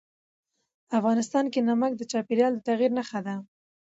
افغانستان کې نمک د چاپېریال د تغیر نښه ده.